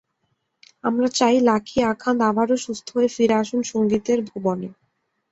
আমরা চাই, লাকী আখান্দ্ আবারও সুস্থ হয়ে ফিরে আসুন সংগীতের ভুবনে।